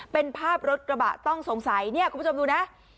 เป็นภาพรถกระบะต้องสงสัยเนี่ยคุณผู้ชมดูนะ